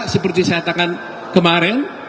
seperti saya katakan kemarin